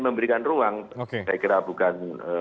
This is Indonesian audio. memberikan ruang saya kira bukan